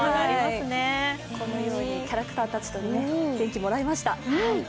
このようにキャラクターたちとね、元気もらいました。